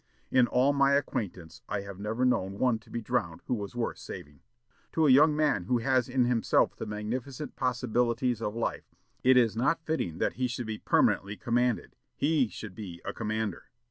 In all my acquaintance I have never known one to be drowned who was worth saving.... To a young man who has in himself the magnificent possibilities of life, it is not fitting that he should be permanently commanded; he should be a commander.